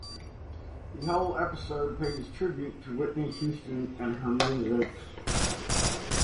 The whole episode pays tribute to Whitney Houston and her music.